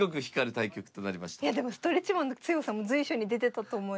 いやでもストレッチマンの強さも随所に出てたと思います。